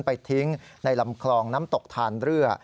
ไปทิ้งในลำคลองน้ำตกทานเรือ